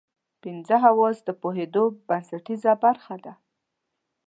پنځه حواس د پوهېدو بنسټیزه برخه ده.